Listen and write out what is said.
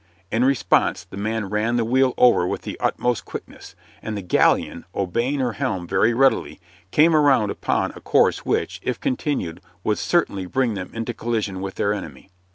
In response the man ran the wheel over with the utmost quickness, and the galleon, obeying her helm very readily, came around upon a course which, if continued, would certainly bring them into collision with their enemy.